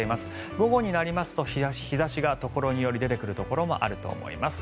午後になりますと日差しがところにより出てくるところもあると思います。